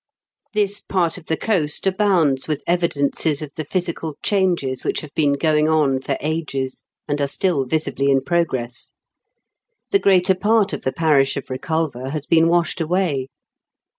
This part of the coast abounds with evidences of the physical changes which have ENCBOACHKENT OF THE 8EA. 297 been going on for ages, and are still visibly in progress. The greater part of the parish of Reculver has been washed away.